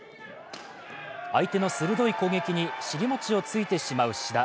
相手の鋭い攻撃に尻餅をついてしまう志田。